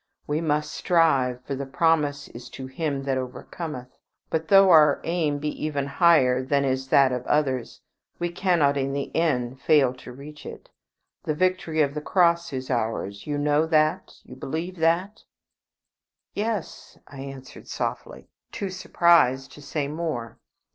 We must strive, for the promise is to him that overcometh; but though our aim be even higher than is that of others, we cannot in the end fail to reach it. The victory of the Cross is ours. You know that? You believe that?" "Yes" I answered, softly, too surprised to say more.